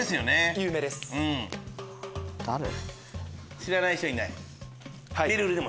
知らない人いない？